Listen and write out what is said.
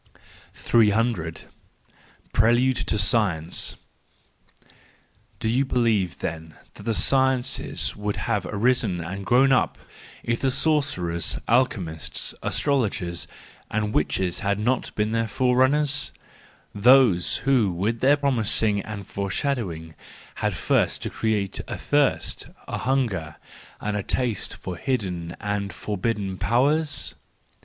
300. Prelude to Science .—Do you believe then that the sciences would have arisen and grown up if the sorcerers, alchemists, astrologers and witches had not been their forerunners; those who, with their promisings and foreshadowings, had first to 234 THE JOYFUL WISDOM, IV create a thirst, a hunger, and a taste for hidden and forbidden powers